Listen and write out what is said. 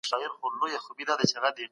د اسلام په رڼا کي زموږ زړونه روښانه سول.